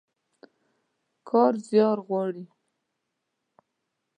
کار زيار غواړي.